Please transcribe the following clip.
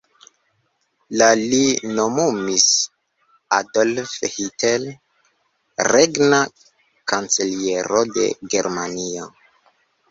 La li nomumis Adolf Hitler regna kanceliero de Germanio.